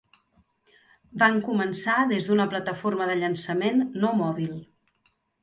Van començar des d'una plataforma de llançament no mòbil.